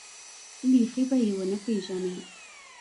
بيخي به يې ونه پېژنې.